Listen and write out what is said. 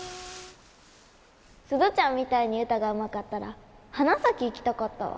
鈴ちゃんみたいに歌がうまかったら花咲行きたかったわ。